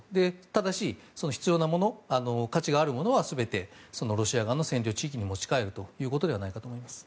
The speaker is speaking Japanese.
ただし、必要なものや価値があるものは全てロシア側の占領地域に持ち帰るということではないかと思います。